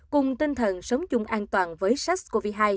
cùng tinh thần sống chung an toàn với sars cov hai